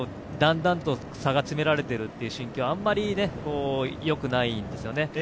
だんだんと差が詰められているという心境、あまりよくないんですよね。